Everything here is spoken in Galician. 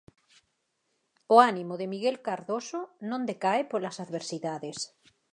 O ánimo de Miguel Cardoso non decae polas adversidades.